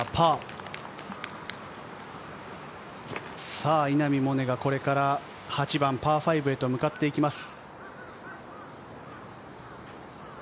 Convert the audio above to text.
さぁ稲見萌寧がこれから８番、パー５へと向かっていきます。